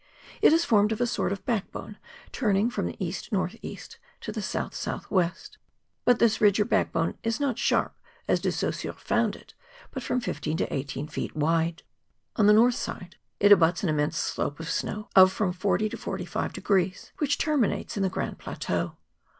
It is formed of a sort of back bone turning from the east north east to the south south west; but this ridge or back¬ bone is not sharp, as De Saussure found it, but from 15 to 18 feet wide. On the north side it abuts on an immense slope of snow of from 40 to 45 degrees, which terminates in the Grrand Plateau.